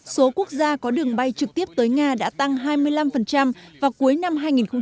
số quốc gia có đường bay trực tiếp tới nga đã tăng hai mươi năm vào cuối năm hai nghìn một mươi chín